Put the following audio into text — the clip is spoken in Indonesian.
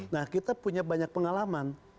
nah kita punya banyak pengalaman